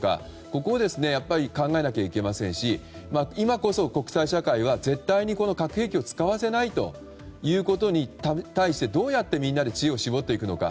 ここを考えなきゃいけませんし今こそ国際社会は絶対に核兵器を使わせないということに対してどうやってみんなで知恵を絞っていくのか。